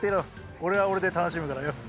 俺は俺で楽しむからよ